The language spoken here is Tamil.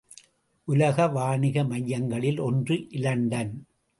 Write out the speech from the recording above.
உலக வாணிக மையங்களில் ஒன்று இலண்டன்.